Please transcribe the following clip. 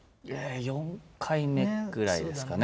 ４回目ぐらいですかね。